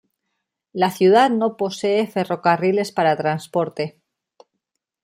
La ciudad no posee ferrocarriles para transporte.